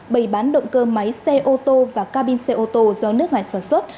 bày bán động cơ máy xe ô tô và ca bin xe ô tô do nước ngoài sản xuất